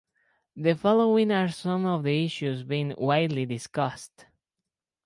The following are some of the issues being widely discussed.